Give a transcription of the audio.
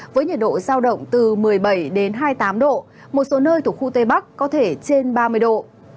với nhiệt độ giao động từ một mươi bảy đến hai mươi tám độ một số nơi thuộc khu tây bắc có thể trên ba mươi độ